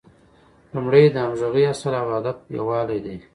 لومړی د همغږۍ اصل او د هدف یووالی دی.